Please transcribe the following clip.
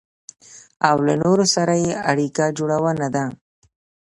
او له نورو سره يې اړيکه جوړونه ده.